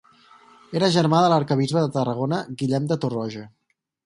Era germà de l'arquebisbe de Tarragona Guillem de Torroja.